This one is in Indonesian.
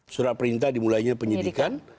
sudah perintah dimulainya penyidikan